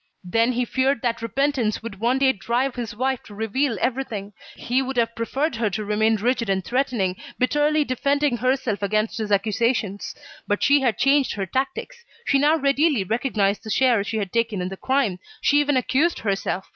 Then he feared that repentance would one day drive his wife to reveal everything. He would have preferred her to remain rigid and threatening, bitterly defending herself against his accusations. But she had changed her tactics. She now readily recognised the share she had taken in the crime. She even accused herself.